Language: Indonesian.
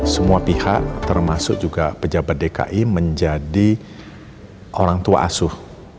semua pihak termasuk juga pejabat dki menjadi orang tua asuh